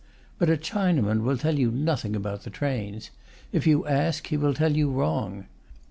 But a Chinaman will tell you nothing about the trains; if you ask, he will tell you wrong.